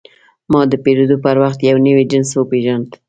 ما د پیرود پر وخت یو نوی جنس وپېژاند.